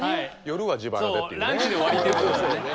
夜は自腹でっていうね。